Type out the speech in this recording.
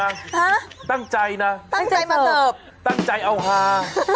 ฮะตั้งใจนะตั้งใจมาเสิร์ฟตั้งใจเอาฮา